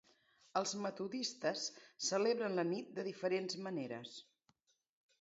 Els Metodistes celebren la nit de diferents maneres.